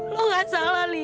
kamu tidak salah li